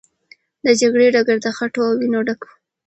د جګړې ډګر د خټو او وینو ډک و.